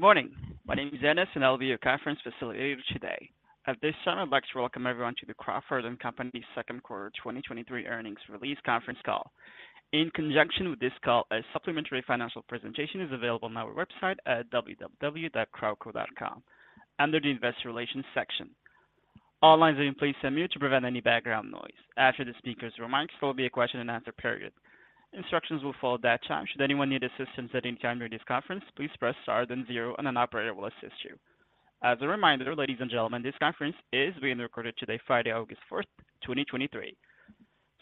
Good morning. My name is Dennis, and I'll be your conference facilitator today. At this time, I'd like to welcome everyone to the Crawford & Company Second Quarter 2023 Earnings Release Conference Call. In conjunction with this call, a supplementary financial presentation is available on our website at www.crawco.com, under the Investor Relations section. All lines have been placed on mute to prevent any background noise. After the speakers' remarks, there will be a question and answer period. Instructions will follow at that time. Should anyone need assistance at any time during this conference, please press star then zero, and an operator will assist you. As a reminder, ladies and gentlemen, this conference is being recorded today, Friday, August 1st, 2023.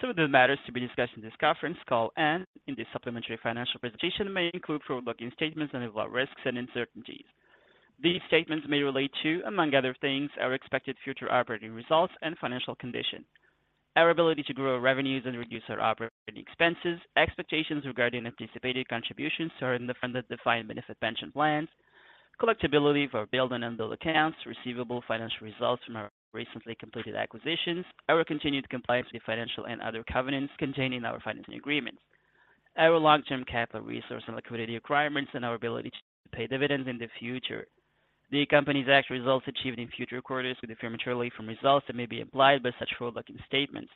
Some of the matters to be discussed in this conference call and in the supplementary financial presentation may include forward-looking statements that involve risks and uncertainties. These statements may relate to, among other things, our expected future operating results and financial condition, our ability to grow our revenues and reduce our operating expenses, expectations regarding anticipated contributions to our underfunded defined benefit pension plans, collectibility for billed and unbilled accounts, receivable financial results from our recently completed acquisitions, our continued compliance with financial and other covenants contained in our financing agreements, our long-term capital resource and liquidity requirements, and our ability to pay dividends in the future. The company's actual results achieved in future quarters could differ materially from results that may be implied by such forward-looking statements.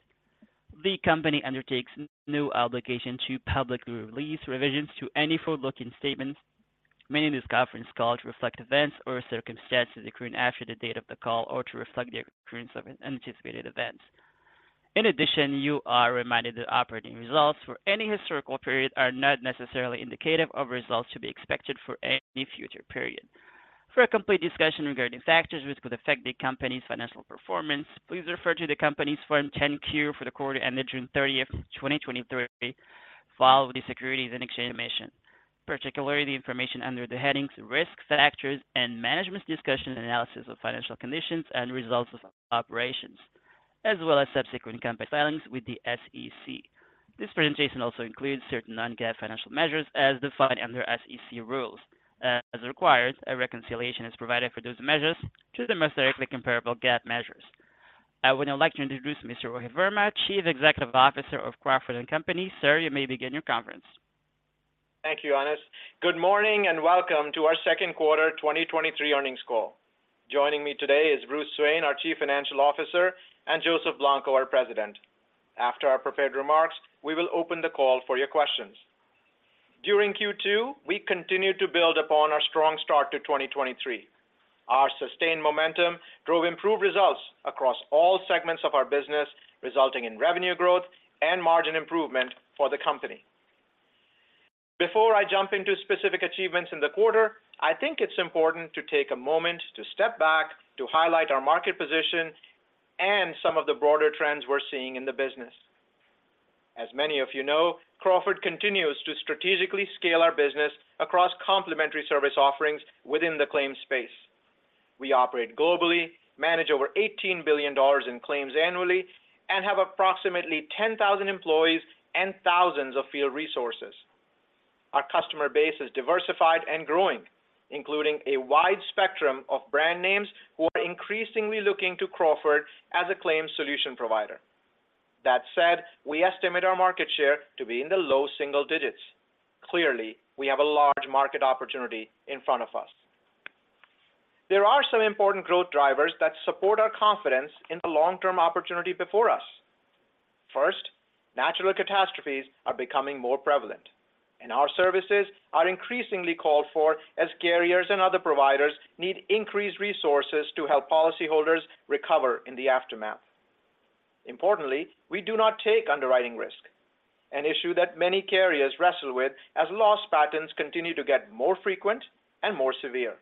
The company undertakes no obligation to publicly release revisions to any forward-looking statements made in this conference call to reflect events or circumstances that occur after the date of the call or to reflect the occurrence of unanticipated events. In addition, you are reminded that operating results for any historical period are not necessarily indicative of results to be expected for any future period. For a complete discussion regarding factors which could affect the company's financial performance, please refer to the company's Form 10-Q for the quarter ended June 30th, 2023, filed with the Securities and Exchange Commission, particularly the information under the headings Risk Factors and Management's Discussion and Analysis of Financial Conditions and Results of Operations, as well as subsequent compact filings with the SEC. This presentation also includes certain non-GAAP financial measures as defined under SEC rules. As required, a reconciliation is provided for those measures to the most directly comparable GAAP measures. I would now like to introduce Mr. Rohit Verma, Chief Executive Officer of Crawford & Company. Sir, you may begin your conference. Thank you, Dennis. Good morning, welcome to our second quarter 2023 earnings call. Joining me today is Bruce Swain, our Chief Financial Officer, and Joseph Blanco, our President. After our prepared remarks, we will open the call for your questions. During Q2, we continued to build upon our strong start to 2023. Our sustained momentum drove improved results across all segments of our business, resulting in revenue growth and margin improvement for the company. Before I jump into specific achievements in the quarter, I think it's important to take a moment to step back to highlight our market position and some of the broader trends we're seeing in the business. As many of you know, Crawford continues to strategically scale our business across complementary service offerings within the claims space. We operate globally, manage over $18 billion in claims annually, and have approximately 10,000 employees and thousands of field resources. Our customer base is diversified and growing, including a wide spectrum of brand names who are increasingly looking to Crawford as a claims solution provider. That said, we estimate our market share to be in the low single digits. Clearly, we have a large market opportunity in front of us. There are some important growth drivers that support our confidence in the long-term opportunity before us. First, natural catastrophes are becoming more prevalent, and our services are increasingly called for as carriers and other providers need increased resources to help policyholders recover in the aftermath. Importantly, we do not take underwriting risk, an issue that many carriers wrestle with as loss patterns continue to get more frequent and more severe.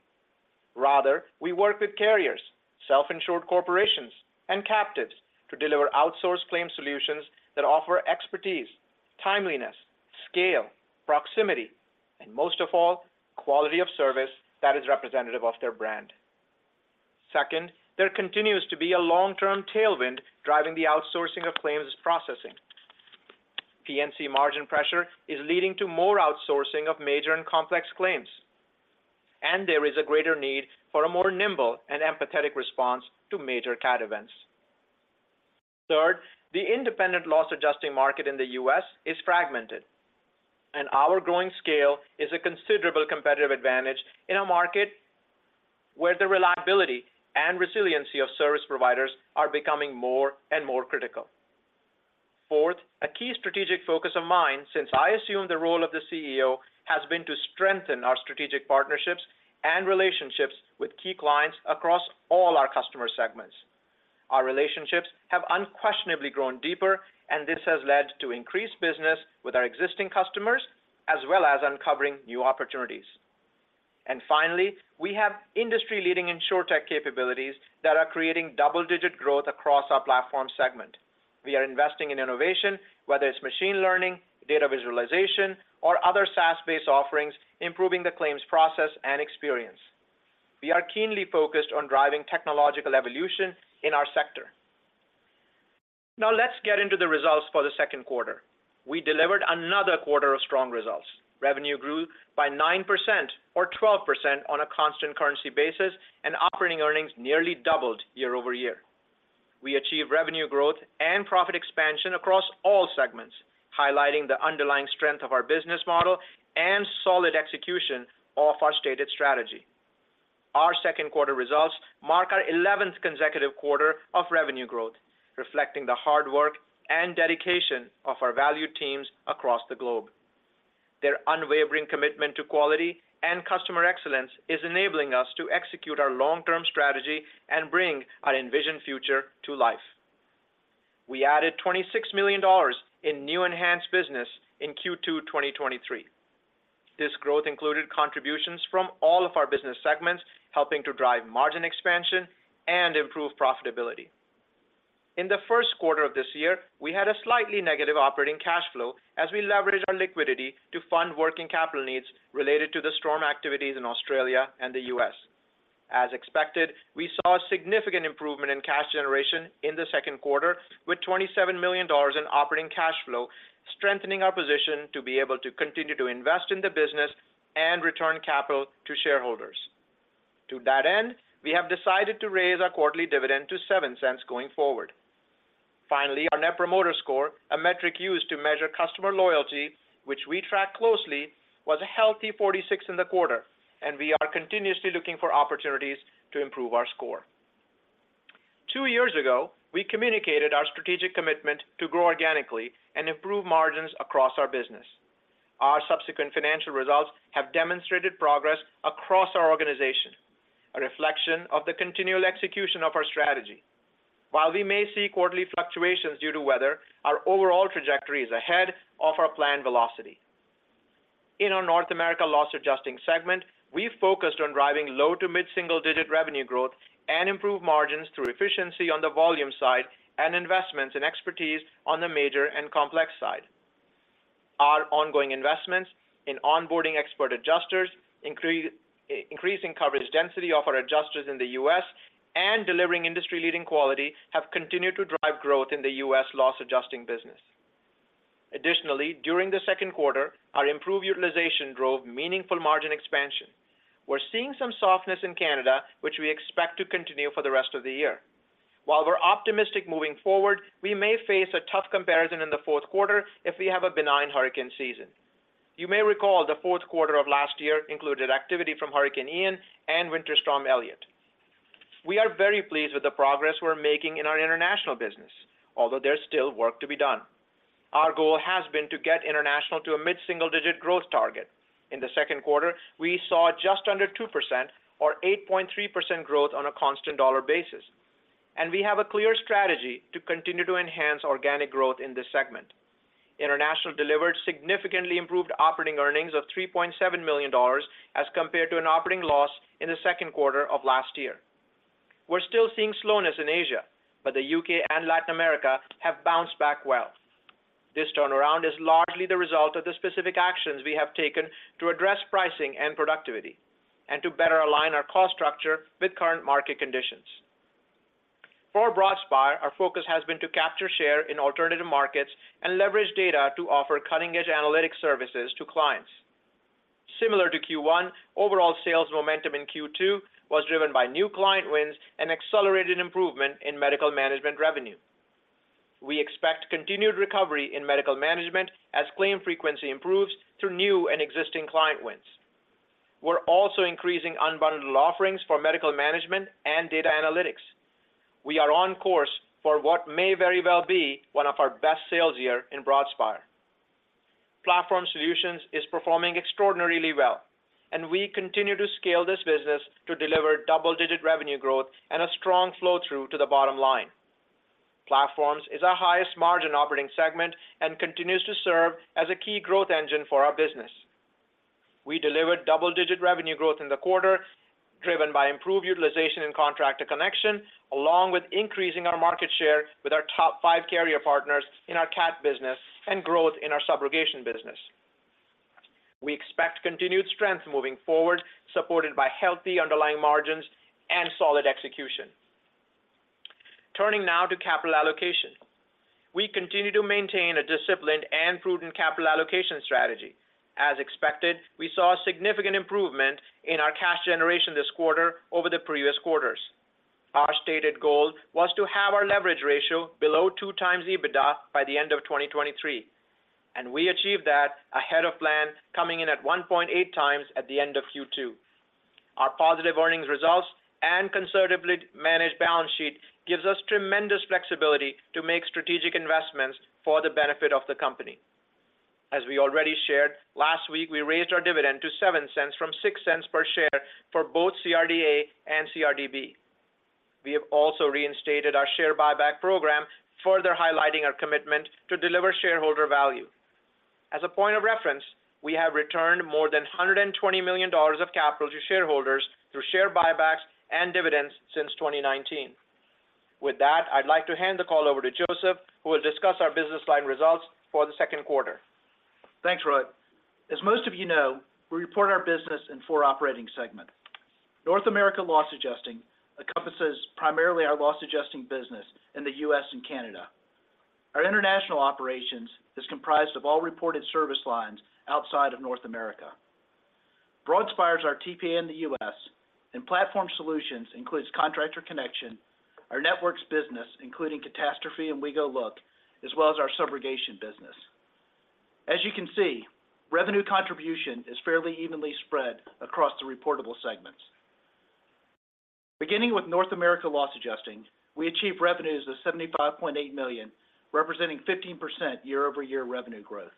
Rather, we work with carriers, self-insured corporations, and captives to deliver outsourced claims solutions that offer expertise, timeliness, scale, proximity, and most of all, quality of service that is representative of their brand. Second, there continues to be a long-term tailwind driving the outsourcing of claims processing. P&C margin pressure is leading to more outsourcing of major and complex claims, and there is a greater need for a more nimble and empathetic response to major cat events. Third, the independent loss adjusting market in the US is fragmented, and our growing scale is a considerable competitive advantage in a market where the reliability and resiliency of service providers are becoming more and more critical. Fourth, a key strategic focus of mine since I assumed the role of the CEO, has been to strengthen our strategic partnerships and relationships with key clients across all our customer segments. Our relationships have unquestionably grown deeper, and this has led to increased business with our existing customers, as well as uncovering new opportunities. Finally, we have industry-leading Insurtech capabilities that are creating double-digit growth across our platform segment. We are investing in innovation, whether it's machine learning, data visualization, or other SaaS-based offerings, improving the claims process and experience. We are keenly focused on driving technological evolution in our sector. Now, let's get into the results for the second quarter. We delivered another quarter of strong results. Revenue grew by 9% or 12% on a constant currency basis, and operating earnings nearly doubled year-over-year. We achieved revenue growth and profit expansion across all segments, highlighting the underlying strength of our business model and solid execution of our stated strategy. Our 11th consecutive quarter of revenue growth, reflecting the hard work and dedication of our valued teams across the globe. Their unwavering commitment to quality and customer excellence is enabling us to execute our long-term strategy and bring our envisioned future to life. We added $26 million in new enhanced business in Q2 2023. This growth included contributions from all of our business segments, helping to drive margin expansion and improve profitability. In the first quarter of this year, we had a slightly negative operating cash flow as we leveraged our liquidity to fund working capital needs related to the storm activities in Australia and the US. As expected, we saw a significant improvement in cash generation in the second quarter, with $27 million in operating cash flow, strengthening our position to be able to continue to invest in the business and return capital to shareholders. To that end, we have decided to raise our quarterly dividend to $0.07 going forward. Finally, our Net Promoter Score, a metric used to measure customer loyalty, which we track closely, was a healthy 46 in the quarter, and we are continuously looking for opportunities to improve our score. Two years ago, we communicated our strategic commitment to grow organically and improve margins across our business. Our subsequent financial results have demonstrated progress across our organization, a reflection of the continual execution of our strategy. While we may see quarterly fluctuations due to weather, our overall trajectory is ahead of our planned velocity. In our North America Loss Adjusting segment, we focused on driving low to mid-single-digit revenue growth and improve margins through efficiency on the volume side and investments in expertise on the major and complex side. Our ongoing investments in onboarding expert adjusters, increasing coverage density of our adjusters in the U.S., and delivering industry-leading quality, have continued to drive growth in the U.S. loss adjusting business. Additionally, during the second quarter, our improved utilization drove meaningful margin expansion. We're seeing some softness in Canada, which we expect to continue for the rest of the year. While we're optimistic moving forward, we may face a tough comparison in the fourth quarter if we have a benign hurricane season. You may recall the fourth quarter of last year included activity from Hurricane Ian and Winter Storm Elliott. We are very pleased with the progress we're making in our international business, although there's still work to be done. Our goal has been to get international to a mid-single-digit growth target. In the second quarter, we saw just under 2% or 8.3% growth on a constant dollar basis, and we have a clear strategy to continue to enhance organic growth in this segment. International delivered significantly improved operating earnings of $3.7 million as compared to an operating loss in the second quarter of last year. We're still seeing slowness in Asia, but the UK and Latin America have bounced back well. This turnaround is largely the result of the specific actions we have taken to address pricing and productivity, and to better align our cost structure with current market conditions. For Broadspire, our focus has been to capture share in alternative markets and leverage data to offer cutting-edge analytic services to clients. Similar to Q1, overall sales momentum in Q2 was driven by new client wins and accelerated improvement in medical management revenue. We expect continued recovery in medical management as claim frequency improves through new and existing client wins. We're also increasing unbundled offerings for medical management and data analytics. We are on course for what may very well be one of our best sales year in Broadspire. Platform Solutions is performing extraordinarily well, and we continue to scale this business to deliver double-digit revenue growth and a strong flow-through to the bottom line. Platforms is our highest margin operating segment and continues to serve as a key growth engine for our business. We delivered double-digit revenue growth in the quarter, driven by improved utilization and Contractor Connection, along with increasing our market share with our top 5 carrier partners in our CAT business and growth in our subrogation business. We expect continued strength moving forward, supported by healthy underlying margins and solid execution. Turning now to capital allocation. We continue to maintain a disciplined and prudent capital allocation strategy. As expected, we saw a significant improvement in our cash generation this quarter over the previous quarters. Our stated goal was to have our leverage ratio below two times EBITDA by the end of 2023, and we achieved that ahead of plan, coming in at 1.8 times at the end of Q2. Our positive earnings results and conservatively managed balance sheet gives us tremendous flexibility to make strategic investments for the benefit of the company. As we already shared, last week, we raised our dividend to $0.07 from $0.06 per share for both CRD.A and CRD.B. We have also reinstated our share buyback program, further highlighting our commitment to deliver shareholder value. As a point of reference, we have returned more than $120 million of capital to shareholders through share buybacks and dividends since 2019. With that, I'd like to hand the call over to Joseph Blanco, who will discuss our business line results for the second quarter. Thanks, Rohit. As most of you know, we report our business in four operating segments. North America Loss Adjusting encompasses primarily our Loss Adjusting business in the U.S. and Canada. Our international operations is comprised of all reported service lines outside of North America. Broadspire is our TPA in the U.S., and Platform Solutions includes Contractor Connection, our networks business, including Catastrophe and WeGoLook, as well as our subrogation business. As you can see, revenue contribution is fairly evenly spread across the reportable segments. Beginning with North America Loss Adjusting, we achieved revenues of $75.8 million, representing 15% year-over-year revenue growth.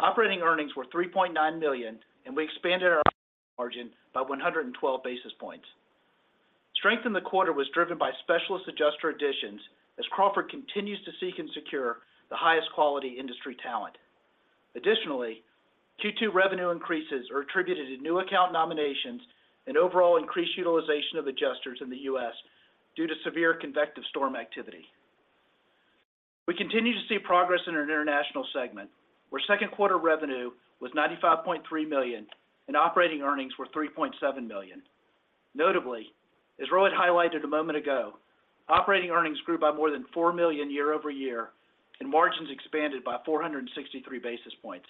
Operating earnings were $3.9 million, and we expanded our margin by 112 basis points. Strength in the quarter was driven by specialist adjuster additions, as Crawford continues to seek and secure the highest quality industry talent. Additionally, Q2 revenue increases are attributed to new account nominations and overall increased utilization of adjusters in the US due to severe convective storm activity. We continue to see progress in our international segment, where second quarter revenue was $95.3 million and operating earnings were $3.7 million. Notably, as Rohit highlighted a moment ago, operating earnings grew by more than $4 million year-over-year, and margins expanded by 463 basis points.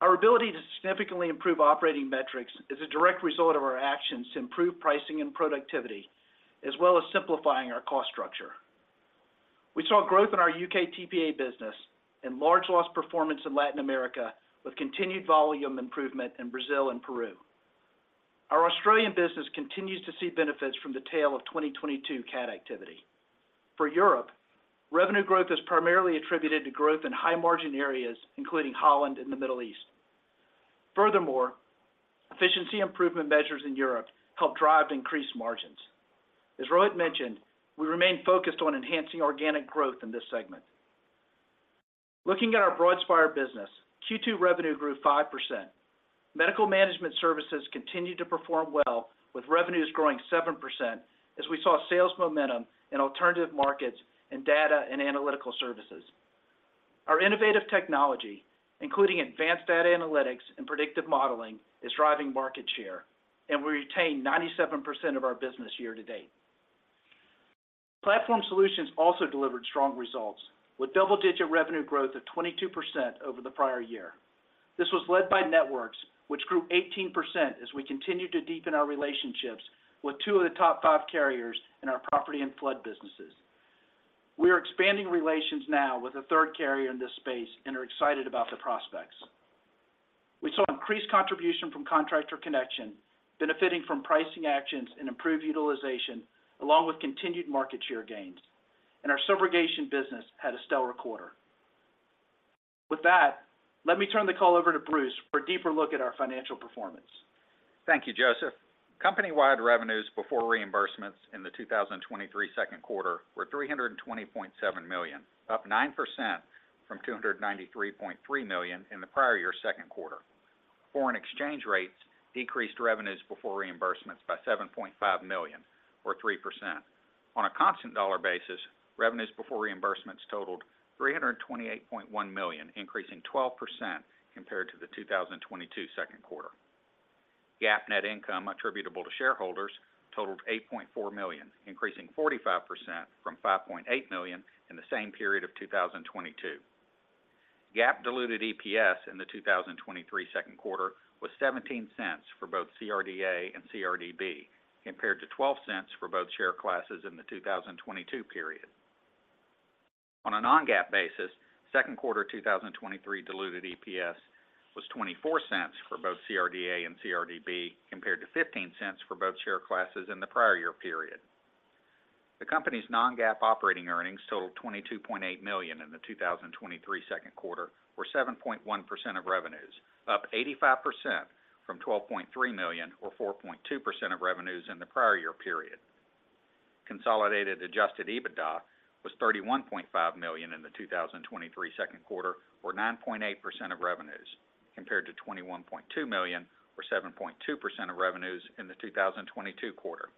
Our ability to significantly improve operating metrics is a direct result of our actions to improve pricing and productivity, as well as simplifying our cost structure. We saw growth in our UK TPA business and large loss performance in Latin America, with continued volume improvement in Brazil and Peru. Our Australian business continues to see benefits from the tail of 2022 cat activity. For Europe, revenue growth is primarily attributed to growth in high margin areas, including Holland and the Middle East. Furthermore, efficiency improvement measures in Europe helped drive increased margins. As Rohit mentioned, we remain focused on enhancing organic growth in this segment. Looking at our Broadspire business, Q2 revenue grew 5%. Medical management services continued to perform well, with revenues growing 7% as we saw sales momentum in alternative markets and data and analytical services. Our innovative technology, including advanced data analytics and predictive modeling, is driving market share, and we retain 97% of our business year-to-date. Platform Solutions also delivered strong results, with double-digit revenue growth of 22% over the prior year. This was led by networks, which grew 18% as we continued to deepen our relationships with two of the top five carriers in our property and flood businesses. We are expanding relations now with a third carrier in this space and are excited about the prospects. We saw increased contribution from Contractor Connection, benefiting from pricing actions and improved utilization, along with continued market share gains, and our subrogation business had a stellar quarter. With that, let me turn the call over to Bruce for a deeper look at our financial performance. Thank you, Joseph. Company-wide revenues before reimbursements in the 2023 second quarter were $320.7 million, up 9% from $293.3 million in the prior year's second quarter. Foreign exchange rates decreased revenues before reimbursements by $7.5 million, or 3%. On a constant dollar basis, revenues before reimbursements totaled $328.1 million, increasing 12% compared to the 2022 second quarter. GAAP net income attributable to shareholders totaled $8.4 million, increasing 45% from $5.8 million in the same period of 2022. GAAP diluted EPS in the 2023 second quarter was $0.17 for both CRD.A and CRD.B, compared to $0.12 for both share classes in the 2022 period. On a non-GAAP basis, second quarter 2023 diluted EPS was $0.24 for both CRD.A and CRD.B, compared to $0.15 for both share classes in the prior year period. The company's non-GAAP operating earnings totaled $22.8 million in the 2023 second quarter, or 7.1% of revenues, up 85% from $12.3 million or 4.2% of revenues in the prior year period. Consolidated adjusted EBITDA was $31.5 million in the 2023 second quarter, or 9.8% of revenues, compared to $21.2 million, or 7.2% of revenues in the 2022 quarter.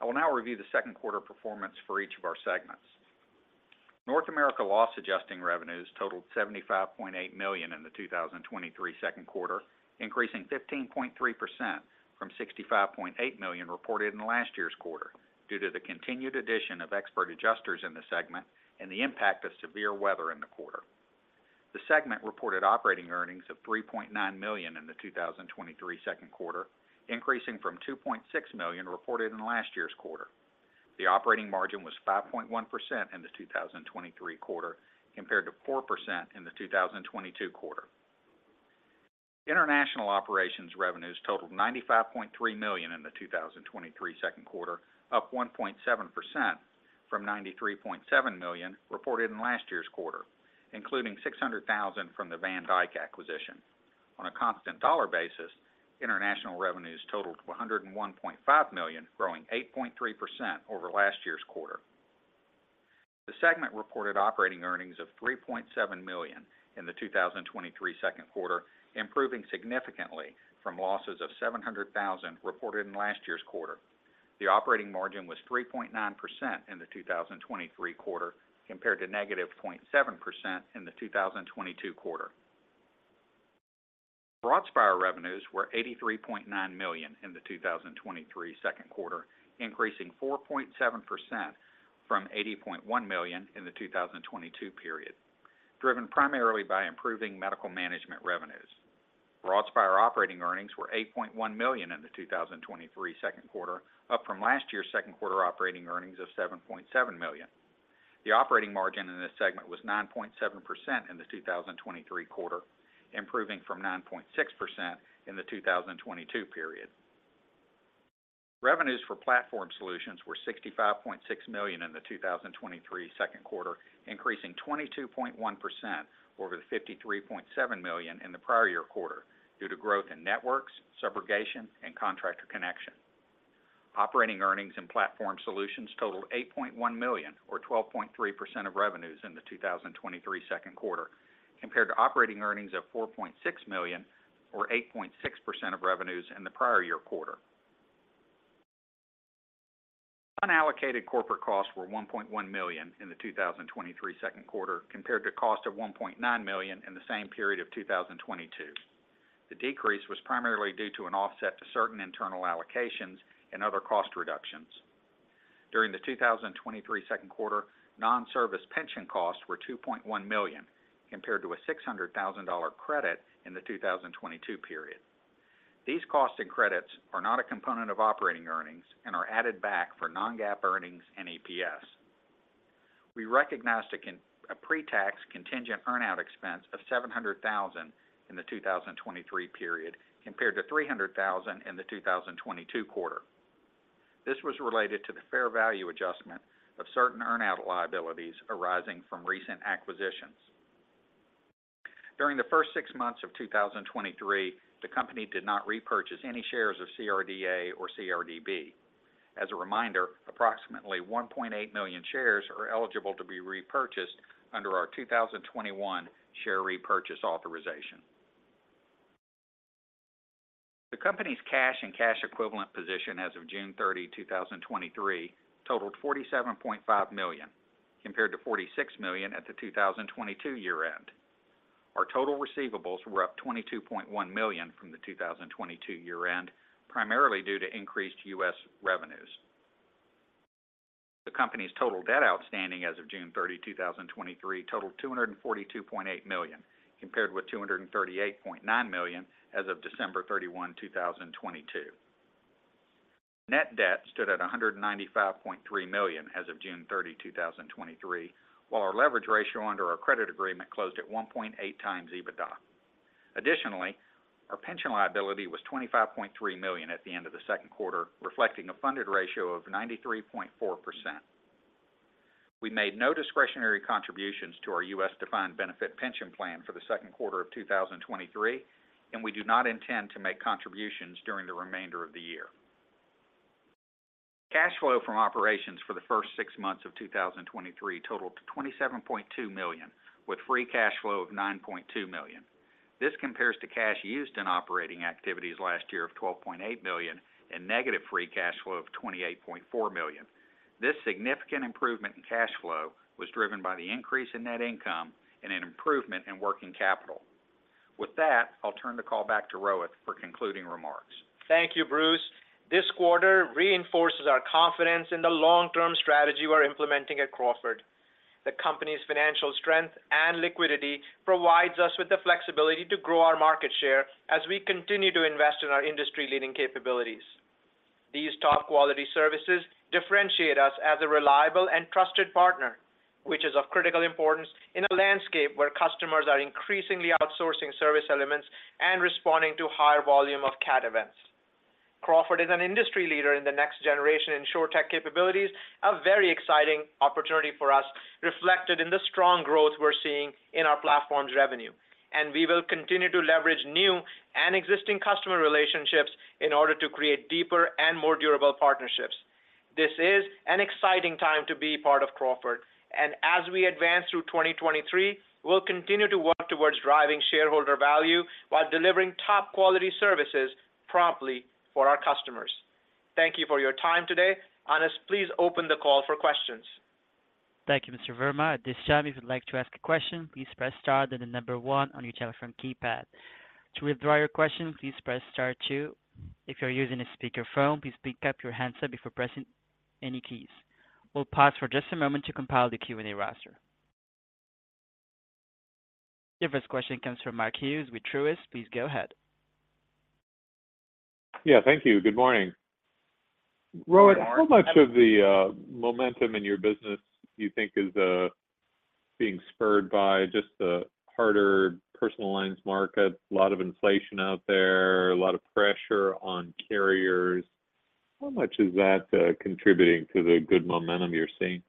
I will now review the second quarter performance for each of our segments. North America Loss Adjusting revenues totaled $75.8 million in the 2023 second quarter, increasing 15.3% from $65.8 million reported in last year's quarter, due to the continued addition of expert adjusters in the segment and the impact of severe weather in the quarter. The segment reported operating earnings of $3.9 million in the 2023 second quarter, increasing from $2.6 million reported in last year's quarter. The operating margin was 5.1% in the 2023 quarter, compared to 4% in the 2022 quarter. International operations revenues totaled $95.3 million in the 2023 second quarter, up 1.7% from $93.7 million reported in last year's quarter, including $600,000 from the Van Dijk acquisition. On a constant dollar basis, international revenues totaled $101.5 million, growing 8.3% over last year's quarter. The segment reported operating earnings of $3.7 million in the 2023 second quarter, improving significantly from losses of $700,000 reported in last year's quarter. The operating margin was 3.9% in the 2023 quarter, compared to negative 0.7% in the 2022 quarter. Our revenues were $83.9 million in the 2023 second quarter, increasing 4.7% from $80.1 million in the 2022 period, driven primarily by improving medical management revenues. Broadspire operating earnings were $8.1 million in the 2023 second quarter, up from last year's second quarter operating earnings of $7.7 million. The operating margin in this segment was 9.7% in the 2023 quarter, improving from 9.6% in the 2022 period. Revenues for Platform Solutions were $65.6 million in the 2023 second quarter, increasing 22.1% over the $53.7 million in the prior year quarter due to growth in networks, subrogation, and Contractor Connection. Operating earnings and Platform Solutions totaled $8.1 million, or 12.3% of revenues in the 2023 second quarter, compared to operating earnings of $4.6 million, or 8.6% of revenues in the prior year quarter. Unallocated corporate costs were $1.1 million in the 2023 second quarter, compared to cost of $1.9 million in the same period of 2022. The decrease was primarily due to an offset to certain internal allocations and other cost reductions. During the 2023 second quarter, non-service pension costs were $2.1 million, compared to a $600,000 credit in the 2022 period. These costs and credits are not a component of operating earnings and are added back for non-GAAP earnings and EPS. We recognized a pre-tax contingent earn-out expense of $700,000 in the 2023 period, compared to $300,000 in the 2022 quarter. This was related to the fair value adjustment of certain earn-out liabilities arising from recent acquisitions. During the first 6 months of 2023, the company did not repurchase any shares of CRD.A or CRD.B. As a reminder, approximately 1.8 million shares are eligible to be repurchased under our 2021 share repurchase authorization. The company's cash and cash equivalent position as of June 30, 2023, totaled $47.5 million, compared to $46 million at the 2022 year end. Our total receivables were up $22.1 million from the 2022 year end, primarily due to increased US revenues. The company's total debt outstanding as of June 30, 2023, totaled $242.8 million, compared with $238.9 million as of December 31, 2022. Net debt stood at $195.3 million as of June 30, 2023, while our leverage ratio under our credit agreement closed at 1.8x EBITDA. Additionally, our pension liability was $25.3 million at the end of the second quarter, reflecting a funded ratio of 93.4%. We made no discretionary contributions to our U.S. defined benefit pension plan for the second quarter of 2023, and we do not intend to make contributions during the remainder of the year. Cash flow from operations for the first six months of 2023 totaled to $27.2 million, with free cash flow of $9.2 million. This compares to cash used in operating activities last year of $12.8 million and negative free cash flow of $28.4 million. This significant improvement in cash flow was driven by the increase in net income and an improvement in working capital. With that, I'll turn the call back to Rohit for concluding remarks. Thank you, Bruce. This quarter reinforces our confidence in the long-term strategy we're implementing at Crawford. The company's financial strength and liquidity provides us with the flexibility to grow our market share as we continue to invest in our industry-leading capabilities. These top quality services differentiate us as a reliable and trusted partner, which is of critical importance in a landscape where customers are increasingly outsourcing service elements and responding to higher volume of cat events. Crawford is an industry leader in the next generation insurtech capabilities, a very exciting opportunity for us, reflected in the strong growth we're seeing in our platforms revenue. We will continue to leverage new and existing customer relationships in order to create deeper and more durable partnerships. This is an exciting time to be part of Crawford, as we advance through 2023, we'll continue to work towards driving shareholder value while delivering top quality services promptly for our customers. Thank you for your time today. Janice, please open the call for questions. Thank you, Mr. Verma. At this time, if you'd like to ask a question, please press star, then 1 on your telephone keypad. To withdraw your question, please press star 2. If you're using a speakerphone, please pick up your handset before pressing any keys. We'll pause for just a moment to compile the Q&A roster. Your first question comes from Mark Hughes with Truist. Please go ahead. Yeah, thank you. Good morning. Rohit, how much of the momentum in your business do you think is being spurred by just the harder personal lines market? A lot of inflation out there, a lot of pressure on carriers. How much is that contributing to the good momentum you're seeing?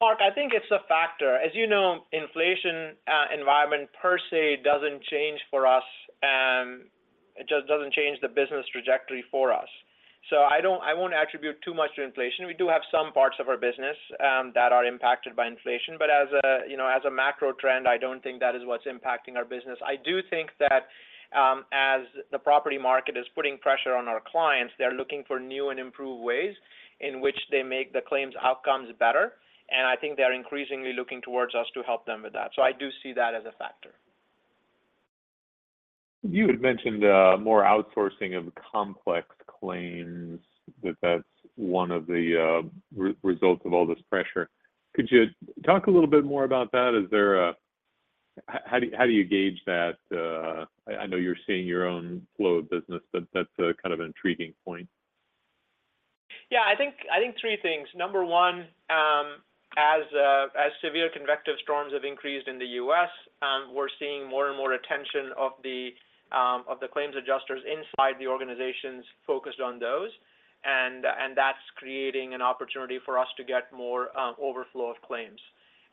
Mark, I think it's a factor. As you know, inflation, environment per se doesn't change for us. It just doesn't change the business trajectory for us. I don't-- I won't attribute too much to inflation. We do have some parts of our business that are impacted by inflation. As a, you know, as a macro trend, I don't think that is what's impacting our business. I do think that the, the property market is putting pressure on our clients. They're looking for new and improved ways in which they make the claims outcomes better. I think they're increasingly looking towards us to help them with that. I do see that as a factor. You had mentioned, more outsourcing of complex claims, that that's one of the results of all this pressure. Could you talk a little bit more about that? Is there a... How do you, how do you gauge that? I, I know you're seeing your own flow of business, but that's a kind of intriguing point. Yeah, I think, I think three things. Number one, as severe convective storms have increased in the US, we're seeing more and more attention of the claims adjusters inside the organizations focused on those. That's creating an opportunity for us to get more overflow of claims.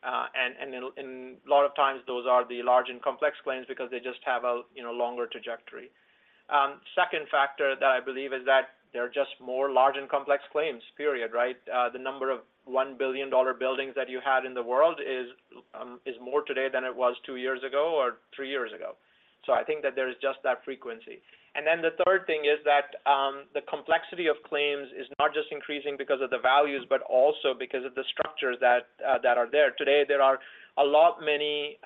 A lot of times, those are the large and complex claims because they just have a, you know, longer trajectory. Second factor that I believe is that there are just more large and complex claims, period, right? The number of $1 billion buildings that you had in the world is more today than it was two years ago or three years ago. I think that there is just that frequency. The third thing is that the complexity of claims is not just increasing because of the values, but also because of the structures that are there. Today, there are a lot many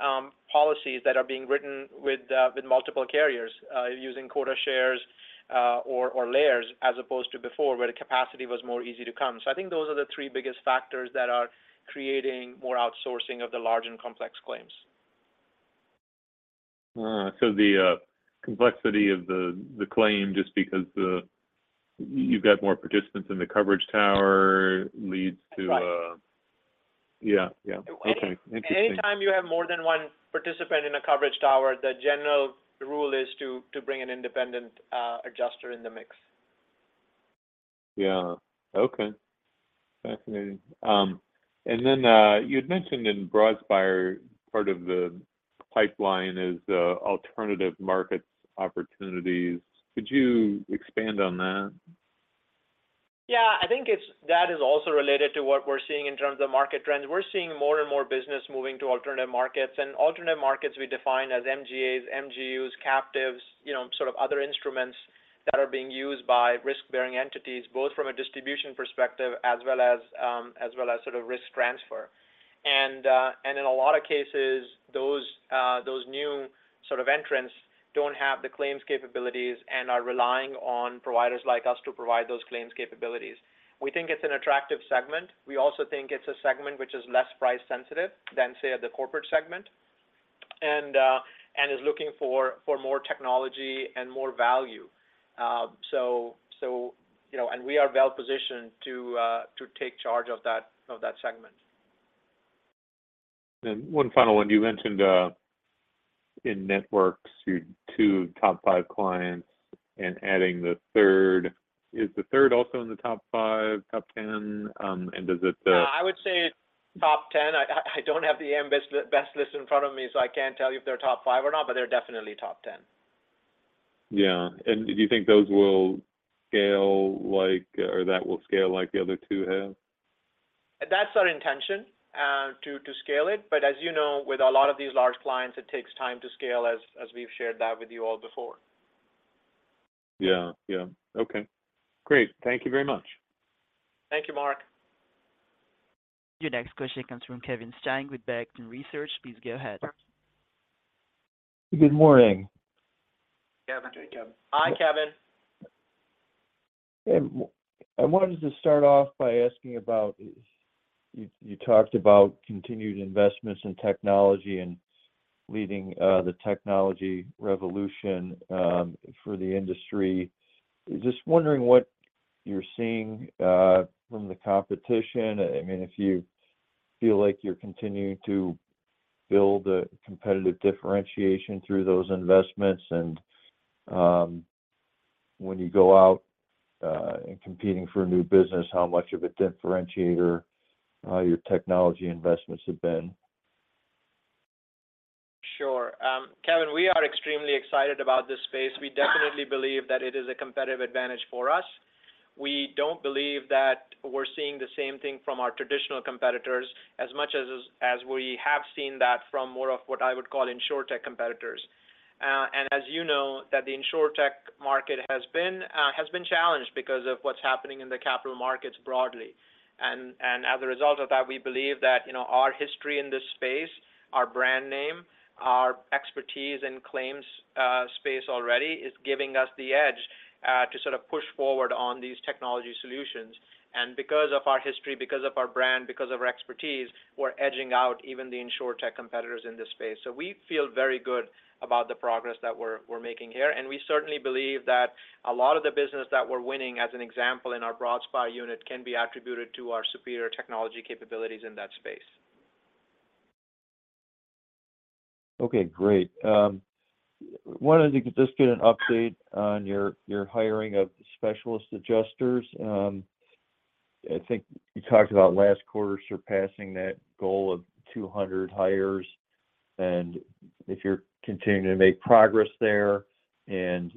policies that are being written with multiple carriers using quota shares or layers, as opposed to before, where the capacity was more easy to come. I think those are the three biggest factors that are creating more outsourcing of the large and complex claims. The complexity of the, the claim, just because the you've got more participants in the coverage tower leads to, Right. Yeah, yeah. Uh, Okay. Interesting. Anytime you have more than one participant in a coverage tower, the general rule is to bring an independent adjuster in the mix. Yeah. Okay. Fascinating. Then, you'd mentioned in Broadspire, part of the pipeline is, alternative markets opportunities. Could you expand on that? Yeah, I think that is also related to what we're seeing in terms of market trends. We're seeing more and more business moving to alternative markets. Alternative markets we define as MGAs, MGUs, captives, you know, sort of other instruments that are being used by risk-bearing entities, both from a distribution perspective as well as, as well as sort of risk transfer. In a lot of cases, those new sort of entrants don't have the claims capabilities and are relying on providers like us to provide those claims capabilities. We think it's an attractive segment. We also think it's a segment which is less price sensitive than, say, the corporate segment, and is looking for, for more technology and more value. So, so, you know, we are well-positioned to take charge of that, of that segment. One final one. You mentioned, in networks, your 2 top 5 clients and adding the third. Is the third also in the top 5, top 10? and does it, - No, I would say top 10. I, I, I don't have the A.M. Best List in front of me, so I can't tell you if they're top five or not, but they're definitely top 10. Yeah. Do you think those will scale, like, or that will scale like the other two have? That's our intention, to, to scale it. As you know, with a lot of these large clients, it takes time to scale, as, as we've shared that with you all before. Yeah, yeah. Okay, great. Thank you very much. Thank you, Mark. Your next question comes from Kevin Steinke with Barrington Research. Please go ahead. Good morning. Kevin. Hey, Kevin. Hi, Kevin. I wanted to start off by asking about, you, you talked about continued investments in technology and leading the technology revolution for the industry. Just wondering what you're seeing from the competition. I mean, if you feel like you're continuing to build a competitive differentiation through those investments, and when you go out and competing for new business, how much of a differentiator, your technology investments have been? Sure. Kevin, we are extremely excited about this space. We definitely believe that it is a competitive advantage for us. We don't believe that we're seeing the same thing from our traditional competitors as much as, as we have seen that from more of what I would call Insurtech competitors. As you know, that the Insurtech market has been challenged because of what's happening in the capital markets broadly. As a result of that, we believe that, you know, our history in this space, our brand name, our expertise in claims space already, is giving us the edge, to sort of push forward on these technology solutions. Because of our history, because of our brand, because of our expertise, we're edging out even the Insurtech competitors in this space. We feel very good about the progress that we're making here, and we certainly believe that a lot of the business that we're winning, as an example, in our Broadspire unit, can be attributed to our superior technology capabilities in that space. Okay, great. wanted to just get an update on your, your hiring of specialist adjusters. I think you talked about last quarter surpassing that goal of 200 hires, and if you're continuing to make progress there, and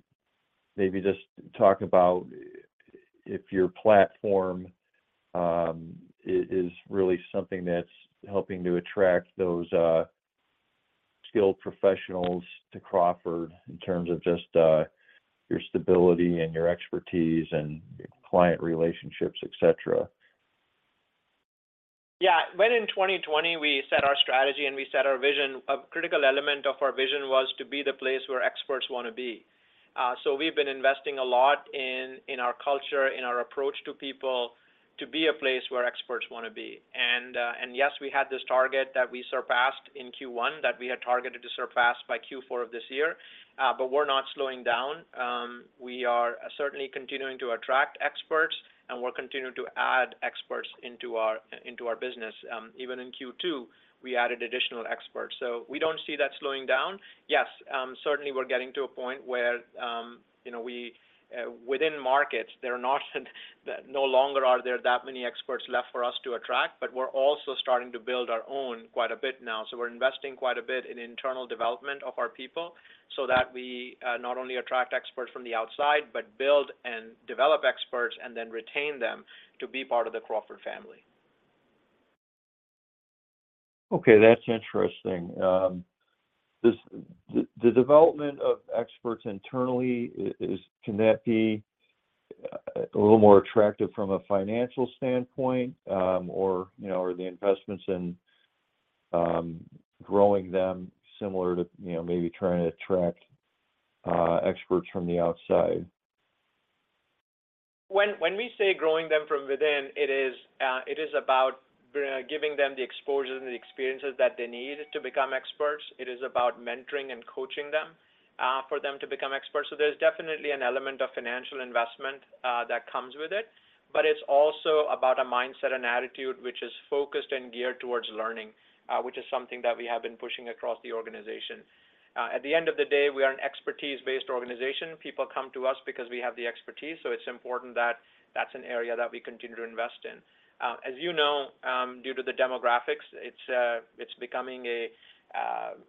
maybe just talk about if your platform is, is really something that's helping to attract those skilled professionals to Crawford in terms of just your stability and your expertise and your client relationships, et cetera? Yeah. When in 2020 we set our strategy and we set our vision, a critical element of our vision was to be the place where experts wanna be. We've been investing a lot in, in our culture, in our approach to people, to be a place where experts wanna be. Yes, we had this target that we surpassed in Q1, that we had targeted to surpass by Q4 of this year, we're not slowing down. We are certainly continuing to attract experts, we're continuing to add experts into our, into our business. Even in Q2, we added additional experts, we don't see that slowing down. Yes, certainly we're getting to a point where, you know, we, within markets, no longer are there that many experts left for us to attract, but we're also starting to build our own quite a bit now. We're investing quite a bit in internal development of our people, so that we not only attract experts from the outside, but build and develop experts, and then retain them to be part of the Crawford family. Okay, that's interesting. This, the, the development of experts internally, can that be a little more attractive from a financial standpoint, or, you know, are the investments in growing them similar to, you know, maybe trying to attract experts from the outside? When, when we say growing them from within, it is, it is about giving them the exposure and the experiences that they need to become experts. It is about mentoring and coaching them, for them to become experts. There's definitely an element of financial investment that comes with it, but it's also about a mindset and attitude which is focused and geared towards learning, which is something that we have been pushing across the organization. At the end of the day, we are an expertise-based organization. People come to us because we have the expertise, so it's important that that's an area that we continue to invest in. As you know, due to the demographics, it's, it's becoming a,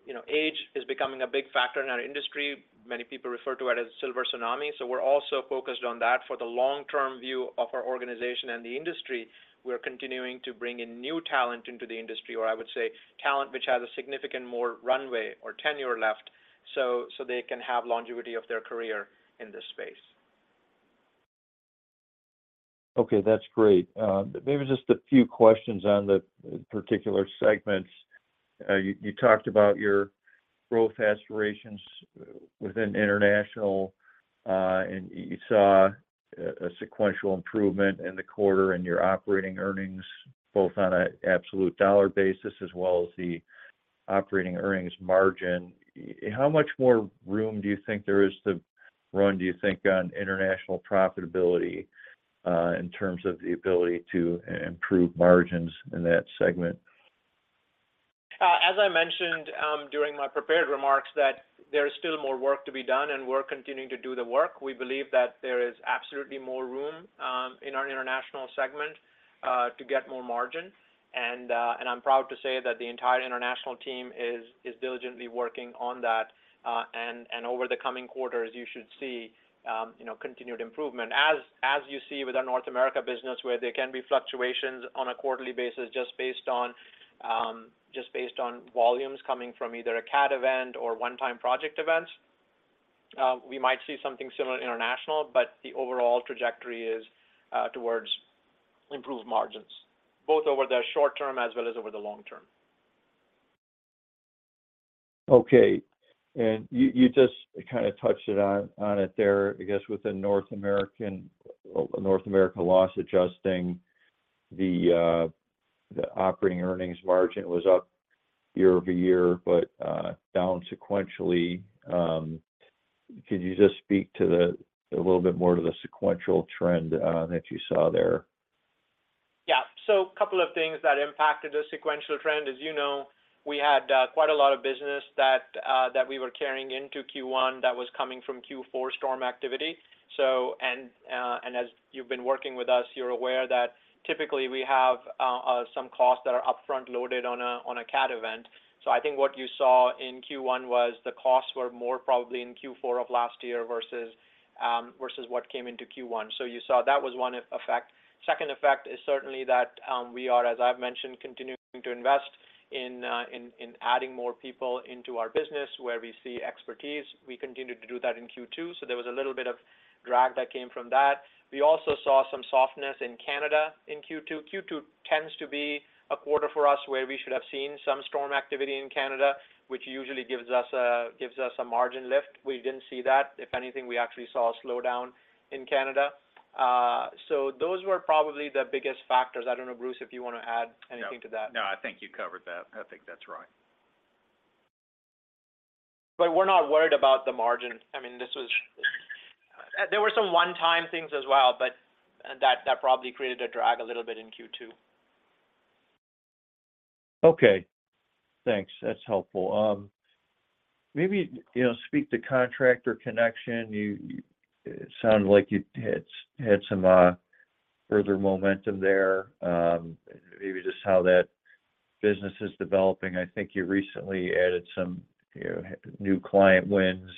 you know... Age is becoming a big factor in our industry. Many people refer to it as silver tsunami, so we're also focused on that. For the long-term view of our organization and the industry, we're continuing to bring in new talent into the industry, or I would say, talent which has a significant more runway or tenure left, so they can have longevity of their career in this space. Okay, that's great. Maybe just a few questions on the particular segments. You, you talked about your growth aspirations within international, and you, you saw a, a sequential improvement in the quarter and your operating earnings, both on a absolute dollar basis as well as the operating earnings margin. How much more room do you think there is to run, do you think, on international profitability, in terms of the ability to improve margins in that segment? As I mentioned, during my prepared remarks, that there is still more work to be done, and we're continuing to do the work. We believe that there is absolutely more room in our international segment to get more margin. I'm proud to say that the entire international team is diligently working on that. Over the coming quarters, you should see, you know, continued improvement. As you see with our North America business, where there can be fluctuations on a quarterly basis, just based on volumes coming from either a cat event or one-time project events, we might see something similar in international, but the overall trajectory is towards improved margins, both over the short term as well as over the long term. Okay, you, you just kinda touched it on, on it there. I guess with the North America Loss Adjusting, the operating earnings margin was up year-over-year, but down sequentially. Could you just speak to a little bit more to the sequential trend that you saw there? Yeah. Couple of things that impacted the sequential trend. As you know, we had quite a lot of business that we were carrying into Q1 that was coming from Q4 storm activity. As you've been working with us, you're aware that typically we have some costs that are upfront loaded on a cat event. I think what you saw in Q1 was the costs were more probably in Q4 of last year, versus versus what came into Q1. You saw that was one effect. Second effect is certainly that we are, as I've mentioned, continuing to invest in in adding more people into our business where we see expertise. We continued to do that in Q2, so there was a little bit of drag that came from that. We also saw some softness in Canada in Q2. Q2 tends to be a quarter for us, where we should have seen some storm activity in Canada, which usually gives us a, gives us a margin lift. We didn't see that. If anything, we actually saw a slowdown in Canada. Those were probably the biggest factors. I don't know, Bruce, if you wanna add anything to that. No, I think you covered that. I think that's right. We're not worried about the margin. I mean, this was there were some one-time things as well, but that, that probably created a drag a little bit in Q2. Okay, thanks. That's helpful. Maybe, you know, speak to Contractor Connection. You, you sound like it had had some further momentum there, maybe just how that business is developing? I think you recently added some, you know, new client wins,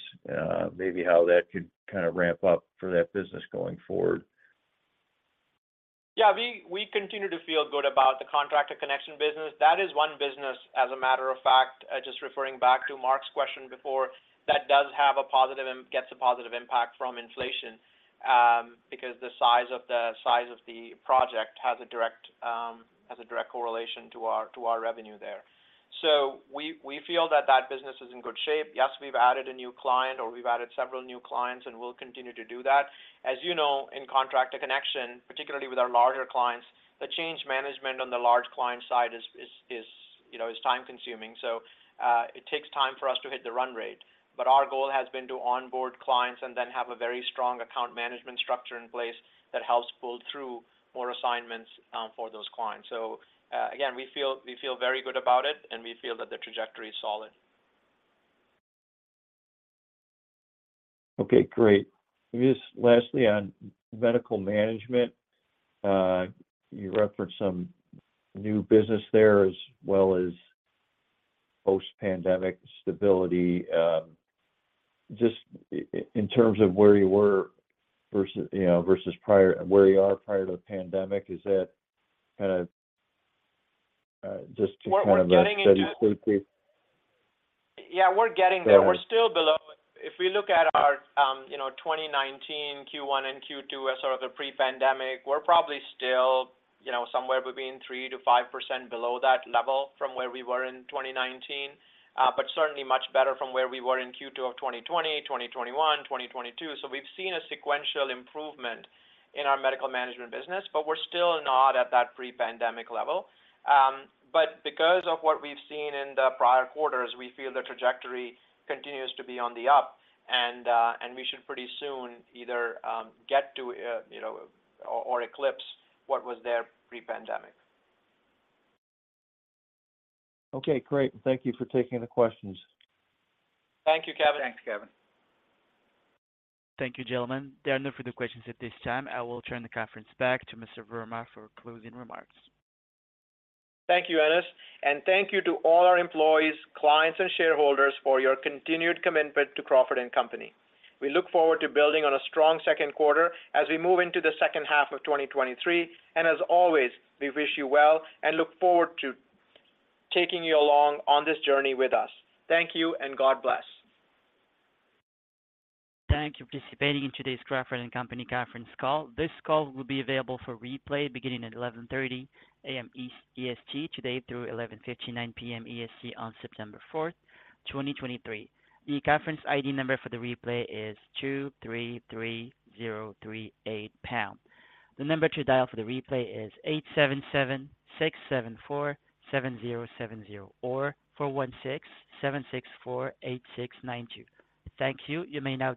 maybe how that could kind of ramp up for that business going forward? Yeah, we, we continue to feel good about the Contractor Connection business. That is one business, as a matter of fact, just referring back to Mark's question before, that does have a positive and gets a positive impact from inflation, because the size of the- size of the project has a direct, has a direct correlation to our, to our revenue there. We, we feel that that business is in good shape. Yes, we've added a new client, or we've added several new clients, and we'll continue to do that. As you know, in Contractor Connection, particularly with our larger clients, the change management on the large client side is, is, is, you know, is time-consuming, so it takes time for us to hit the run rate. Our goal has been to onboard clients and then have a very strong account management structure in place that helps pull through more assignments for those clients. Again, we feel, we feel very good about it, and we feel that the trajectory is solid. Okay, great. Just lastly, on medical management, you referenced some new business there, as well as post-pandemic stability. Just in terms of where you were versus, you know, versus where you are prior to the pandemic, is that, just to kind of, study quickly? Yeah, we're getting there. Yeah. We're still below. If we look at our, you know, 2019 Q1 and Q2 as sort of the pre-pandemic, we're probably still, you know, somewhere between 3%-5% below that level from where we were in 2019. Certainly much better from where we were in Q2 of 2020, 2021, 2022. We've seen a sequential improvement in our medical management business, but we're still not at that pre-pandemic level. Because of what we've seen in the prior quarters, we feel the trajectory continues to be on the up, and, and we should pretty soon either, get to, you know, or, or eclipse what was there pre-pandemic. Okay, great. Thank you for taking the questions. Thank you, Kevin. Thanks, Kevin. Thank you, gentlemen. There are no further questions at this time. I will turn the conference back to Mr. Verma for closing remarks. Thank you, Dennis, and thank you to all our employees, clients, and shareholders for your continued commitment to Crawford & Company. We look forward to building on a strong second quarter as we move into the second half of 2023, and as always, we wish you well and look forward to taking you along on this journey with us. Thank you, and God bless. Thank you for participating in today's Crawford & Company conference call. This call will be available for replay beginning at 11:30 A.M. EST today through 11:59 P.M. EST on September 4th, 2023. The conference ID number for the replay is 233038 pound. The number to dial for the replay is 8776747070 or 4167648692. Thank you. You may now disconnect.